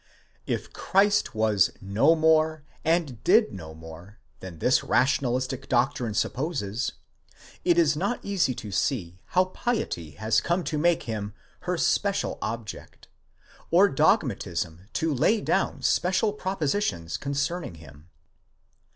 If Christ was no more, and did no more, than this rationalistic doctrine supposes, it is not easy to see how piety has come to make him her special object, or dogmatism to lay down special propositions concerning him.